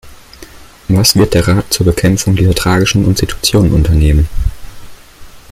Was wird der Rat zur Bekämpfung dieser tragischen Situation unternehmen?